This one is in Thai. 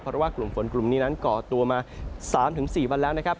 เพราะว่ากลุ่มฝนกลุ่มนี้นั้นก่อตัวมา๓๔วันแล้วนะครับ